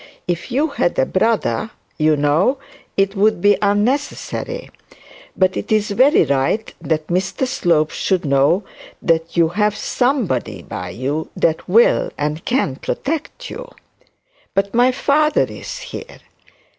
If you had a brother, you know, it would be unnecessary. But it is very right that Mr Slope should know that you have somebody by you that will, and can protect you.' 'But my father is here.'